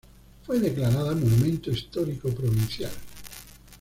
Fue declarada Monumento Histórico Provincial.